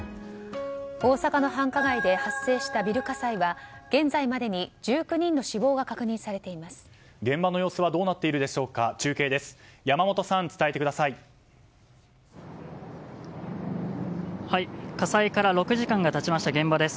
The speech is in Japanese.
大阪の繁華街で発生したビル火災は現在までに１９人の死亡が確認されています。